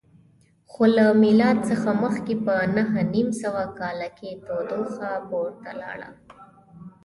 خو له میلاد څخه مخکې په نهه نیم سوه کال کې تودوخه پورته لاړه